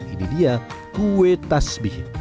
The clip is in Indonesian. ini dia kue tasbih